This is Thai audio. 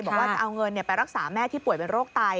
บอกว่าจะเอาเงินไปรักษาแม่ที่ป่วยเป็นโรคไต